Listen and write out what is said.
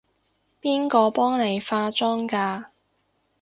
邊個幫你化妝㗎？